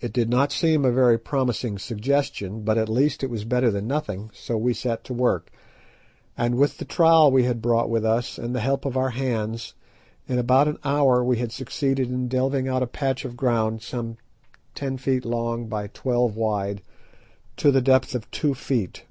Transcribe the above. It did not seem a very promising suggestion, but at least it was better than nothing, so we set to work, and, with the trowel we had brought with us and the help of our hands, in about an hour we succeeded in delving out a patch of ground some ten feet long by twelve wide to the depth of two feet.